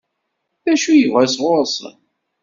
D acu i yebɣa sɣur-sen?